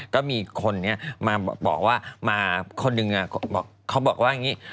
ก็มีคนนี้มาบอกว่ามาคนหนึ่งเขาบอกว่าอย่างนี้